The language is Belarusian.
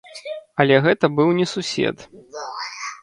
Але гэта быў не сусед.